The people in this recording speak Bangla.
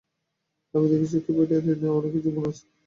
আমি দেখছি উইকিপিডিয়াতে অনেকের জীবনী আছে।